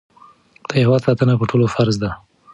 د هېواد ساتنه په ټولو فرض ده.